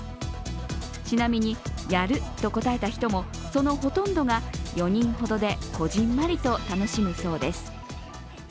ちなみに、やると答えた人もそのほとんどが４人ほどでこぢんまりと楽しむそうです。